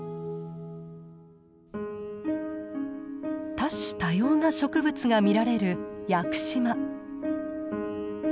多種多様な植物が見られる屋久島。